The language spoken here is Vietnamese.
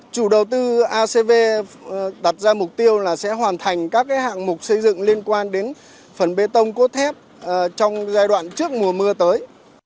chủ đầu tư acv đặt ra mục tiêu là sẽ hoàn thành các hạng mục xây dựng liên quan đến phần bê tông cốt thép trong giai đoạn trước mùa mưa tới